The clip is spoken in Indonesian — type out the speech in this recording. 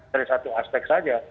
dari satu aspek saja